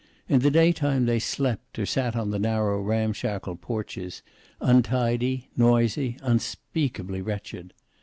In the daytime they slept or sat on the narrow, ramshackle porches, untidy, noisy, unspeakably wretched.